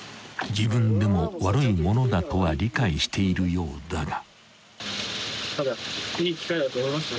［自分でも悪いものだとは理解しているようだが］